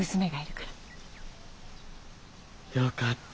よかった。